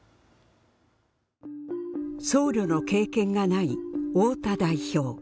僧侶の経験がない太田代表。